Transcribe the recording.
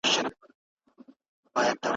شاعر د سیند له وچېدو څخه خپله سوده غواړي.